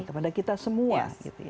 kepada kita semua